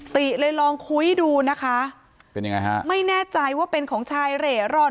ติเลยลองคุยดูนะคะเป็นยังไงฮะไม่แน่ใจว่าเป็นของชายเหร่ร่อน